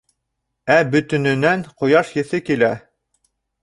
Ә бөтөнөнән ҡояш еҫе килә.